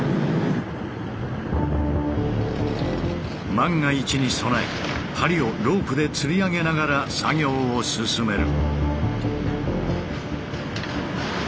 万が一に備え梁をロープでつり上げながら作業を進める。